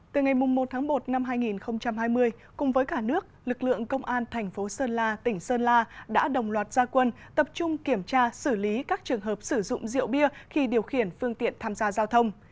từ ngày một tháng một năm hai nghìn hai mươi cùng với cả nước lực lượng công an thành phố sơn la tỉnh sơn la đã đồng loạt gia quân tập trung kiểm tra xử lý các trường hợp sử dụng rượu bia khi điều khiển phương tiện tham gia giao thông